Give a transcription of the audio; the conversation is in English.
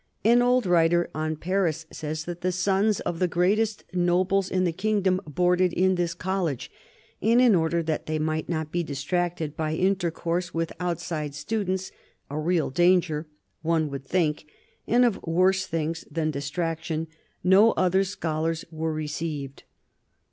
An old writer on Paris says that the sons of the greatest nobles in the kingdom boarded in this college, and in order that they might not be distracted by intercourse with outside students — a real danger, one would think, and of worse things than dis traction — no other scholars were received.